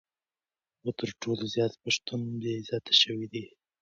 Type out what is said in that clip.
خو تر ټولو زیات پښتون بې عزته شوی دی.